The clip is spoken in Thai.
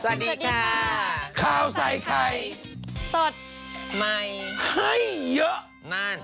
สวัสดีค่ะข้าวใส่ไข่สดใหม่ให้เยอะนั่น